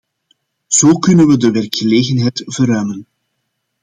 Zo kunnen we de werkgelegenheid verruimen.